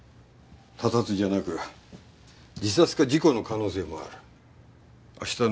他殺じゃなく自殺か事故の可能性もある。